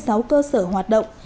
các cơ sở tạm dừng hoạt động